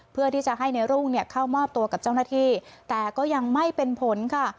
เพื่อที่จะให้ในรุ่งเนี่ยเข้ามอบตัวกับเจ้าหน้าที่แต่ก็ยังไม่เป็นผลค่ะ